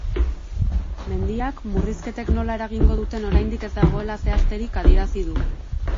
Mendiak murrizketek nola eragingo duten oraindik ez dagoela zehazterik adierazi du.